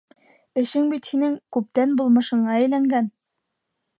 Эшең бит һинең күптән булмышыңа әйләнгән.